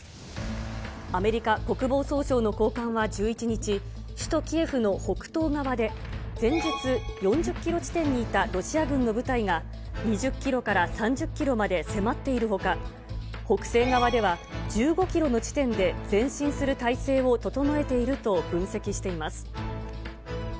アメリカ国防総省の高官は１１日、首都キエフの北東側で、前日、４０キロ地点にいたロシア軍の部隊が、２０キロから３０キロまで迫っているほか、北西側では、１５キロの地点で前進する態勢を整えていると分析しています。